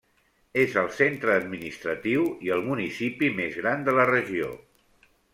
És el centre administratiu i el municipi més gran de la regió.